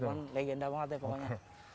ya pohon legenda banget ya pohonnya